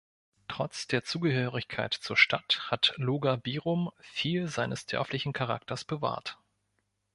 Trotz der Zugehörigkeit zur Stadt hat Logabirum viel seines dörflichen Charakters bewahrt.